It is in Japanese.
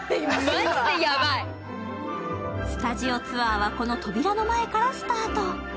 スタジオツアーは、この扉の前からスタート。